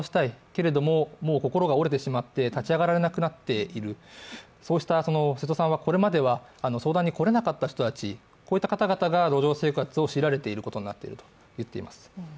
けれども心が折れてしまって立ち上がれなくなっている、瀬戸さんはこれまでは相談に来れなかった人たちが路上生活を強いられていることになっていると言っています。